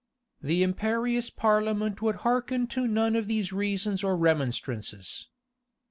The imperious parliament would hearken to none of these reasons or remonstrances.